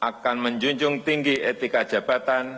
akan menjunjung tinggi etika jabatan